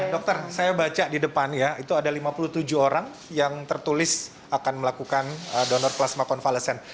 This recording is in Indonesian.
dokter saya baca di depannya itu ada lima puluh tujuh orang yang tertulis akan melakukan donor plasma konvalesen